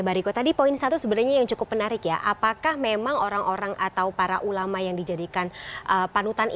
mbak riko tadi poin satu sebenarnya yang cukup menarik ya apakah memang orang orang atau para ulama yang dijadikan panutan ini